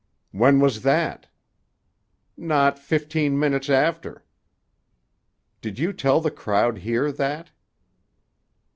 "When was that?" "Not fifteen minutes after." "Did you tell the crowd here that?"